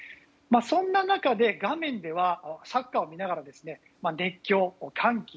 そんな中で、画面ではサッカーを見ながら熱狂、歓喜。